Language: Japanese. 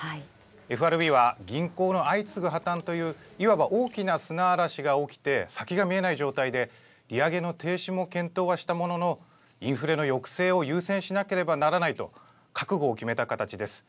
ＦＲＢは銀行の相次ぐ破綻といういわば大きな砂嵐が起きて、先が見えない状態で、利上げの停止も検討はしたものの、インフレの抑制を優先しなければならないと、覚悟を決めた形です。